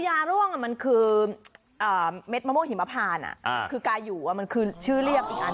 ยาร่วงมันคือเม็ดมะม่วงหิมพานคือกายอยู่มันคือชื่อเรียกอีกอัน